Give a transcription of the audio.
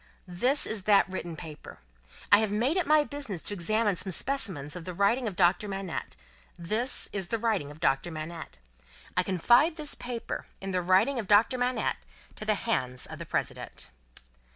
This is that written paper. I have made it my business to examine some specimens of the writing of Doctor Manette. This is the writing of Doctor Manette. I confide this paper, in the writing of Doctor Manette, to the hands of the President."